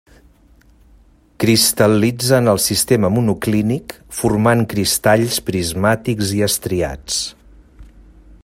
Cristal·litza en el sistema monoclínic, formant cristalls prismàtics i estriats.